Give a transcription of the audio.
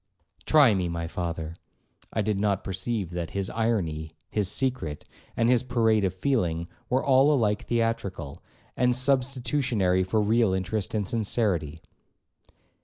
'Try me, my father.' I did not perceive that his irony, his secret, and his parade of feeling, were all alike theatrical, and substitutionary for real interest and sincerity.